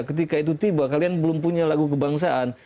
ketika itu tiba kalian belum punya lagu kebangsaan